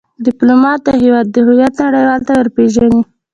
ډيپلومات د هیواد هویت نړېوالو ته ور پېژني.